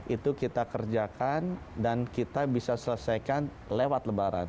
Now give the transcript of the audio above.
itu kita kerjakan dan kita bisa selesaikan lewat lebaran